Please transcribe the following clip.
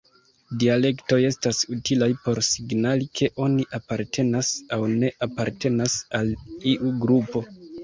Dialektoj estas utilaj por signali ke oni apartenas aŭ ne apartenas al iu grupo.